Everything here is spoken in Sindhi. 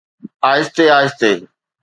آهستي آهستي.